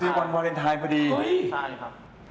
ที่วันวาเลนไทน์พอดีนะครับอุ๊ยใช่ครับ